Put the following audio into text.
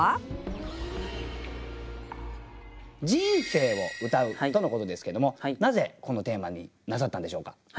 「人生を詠う」とのことですけどもなぜこのテーマになさったんでしょうか？